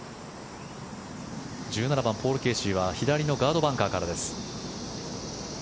１７番、ポール・ケーシーは左のガードバンカーからです。